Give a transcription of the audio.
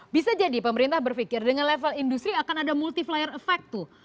bisa jadi pemerintah berpikir dengan level industri akan ada multiplier effect tuh